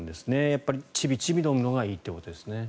やっぱり、ちびちび飲むのがいいということですね。